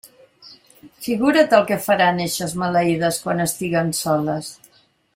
Figura't el que faran eixes maleïdes quan estiguen soles.